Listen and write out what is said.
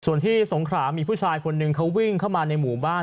ส่วนที่สงขรามีผู้ชายคนหนึ่งเขาวิ่งเข้ามาในหมู่บ้าน